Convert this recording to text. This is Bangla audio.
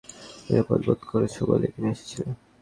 নিরাপদ বোধ করেছ বলেই তুমি এসেছিলে।